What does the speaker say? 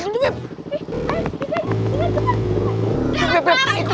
tahan tahan tahan